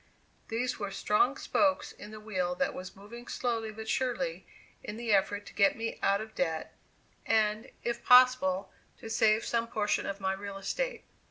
These were strong spokes in the wheel that was moving slowly but surely in the effort to get me out of debt, and, if possible, to save some portion of my real estate.